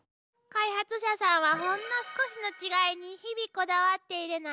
開発者さんはほんの少しの違いに日々こだわっているのよ。